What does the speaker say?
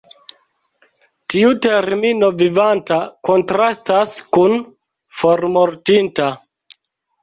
Tiu termino "vivanta" kontrastas kun "formortinta".